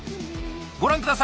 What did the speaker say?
ご覧下さい！